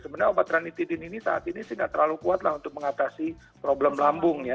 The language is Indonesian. sebenarnya obat ranitidin ini saat ini sih nggak terlalu kuat lah untuk mengatasi problem lambung ya